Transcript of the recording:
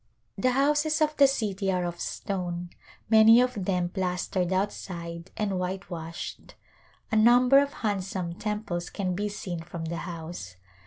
The houses of the city are of stone, many of them plastered outside and whitewashed. A number of handsome temples can be seen from the house.